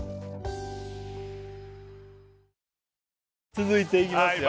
続いていきますよ